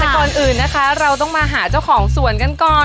แต่ก่อนอื่นนะคะเราต้องมาหาเจ้าของสวนกันก่อน